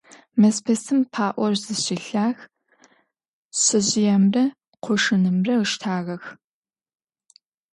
Мэзпэсым паӀор зыщилъагъ, шъэжъыемрэ къошынымрэ ыштагъэх.